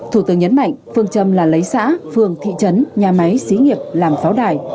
thủ tướng nhấn mạnh phương châm là lấy xã phương thị trấn nhà máy sĩ nghiệp làm pháo đài